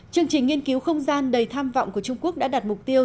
chương trình nghiên cứu không gian đầy tham vọng của trung quốc đã đặt mục tiêu